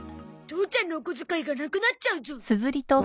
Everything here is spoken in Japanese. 父ちゃんのお小遣いがなくなっちゃうゾ。